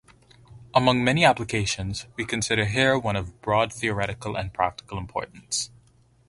Among many applications, we consider here one of broad theoretical and practical importance.